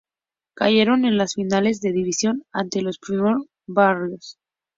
Cayeron en las finales de división ante los Philadelphia Warriors.